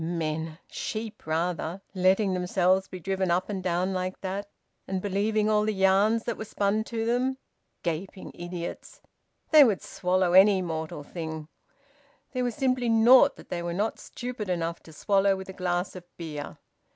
Men? Sheep rather! Letting themselves be driven up and down like that, and believing all the yarns that were spun to them! Gaping idiots, they would swallow any mortal thing! There was simply naught that they were not stupid enough to swallow with a glass of beer.